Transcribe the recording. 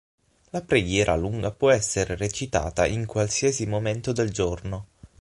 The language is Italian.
La preghiera lunga può essere recitata in qualsiasi momento del giorno.